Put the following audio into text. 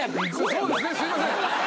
そうですねすいません。